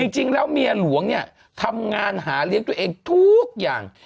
จริงแล้วเมียหลวงเนี่ยทำงานหาเลี้ยงตัวเองทุกอย่าง